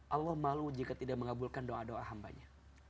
allah malu jika tidak mengabulkan doa doa hambanya